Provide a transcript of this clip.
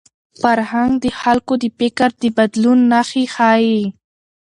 فرهنګ د خلکو د فکر د بدلون نښې ښيي.